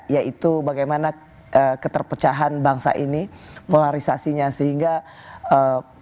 yaitu bagaimana keterpecahan bangsa ini polarisasinya sehingga pak jokowi orang lain